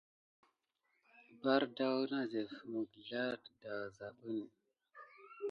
Bardaz na zef mizlama de dasmin.